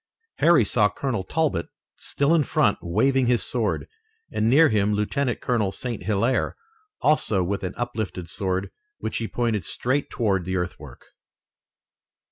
Harry saw Colonel Talbot still in front, waving his sword, and near him Lieutenant Colonel St. Hilaire, also with an uplifted sword, which he pointed straight toward the earthwork.